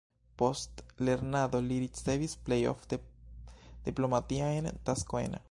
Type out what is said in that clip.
Post lernado li ricevis plej ofte diplomatiajn taskojn.